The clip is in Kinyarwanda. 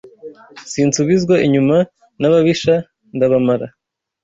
Sinsubizwa inyuma n'ababisha ndabamara